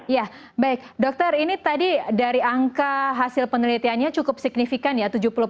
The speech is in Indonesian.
ya baik dokter ini tadi dari angka hasil penelitiannya cukup signifikan ya